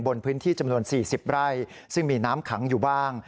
บนพื้นที่จำนวน๔๐ไร่ซึ่งมีน้ำขังอยู่บ้าง